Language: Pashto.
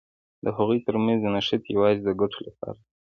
د هغوی تر منځ نښتې یوازې د ګټو لپاره دي.